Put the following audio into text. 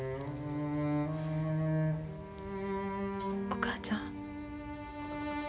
お母ちゃん？